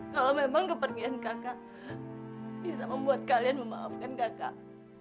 kalau memang kepergian kakak bisa membuat kalian memaafkan kakak